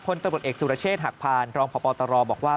ตำรวจเอกสุรเชษฐหักพานรองพบตรบอกว่า